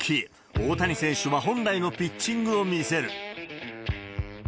大谷選手は本来のピッチングを見せる。